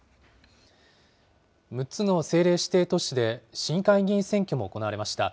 ６つの政令指定都市で市議会議員選挙も行われました。